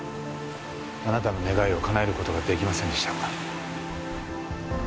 あなたの願いをかなえる事ができませんでした。